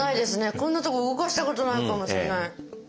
こんなとこ動かしたことないかもしれない。